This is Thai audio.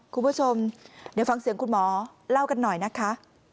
คุณผู้ชมเดี๋ยวฟังเสียงคุณหมอเล่ากันหน่อยนะคะ